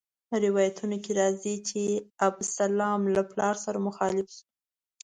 روایتونو کې راځي چې ابسلام له پلار سره مخالف شو.